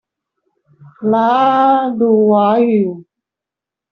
拉阿魯哇語